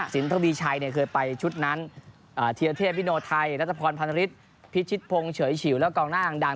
สินทะวิชัยเคยไปชุดนั้นเทียเทพิโนไทนัตรพรพรรณฤษฐ์พิชิตพงศ์เฉยฉิวแล้วกองน่างดัง